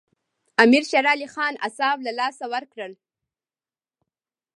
امیر شېر علي خان اعصاب له لاسه ورکړل.